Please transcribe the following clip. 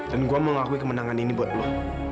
dan gue mau ngakui kemenangan ini buat lo